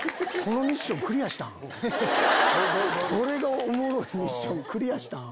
これがおもろいミッションクリアしたん？